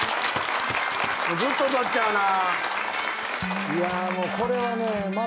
ずっと取っちゃうな。